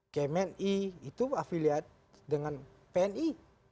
kmni itu afiliat dengan pni